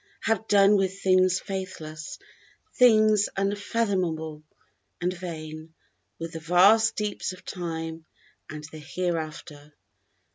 Have done with things faithless, things unfathomable and vain; With the vast deeps of Time and the Hereafter.